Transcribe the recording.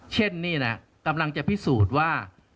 เช่นนี้กำลังจะพิสูจน์ว่า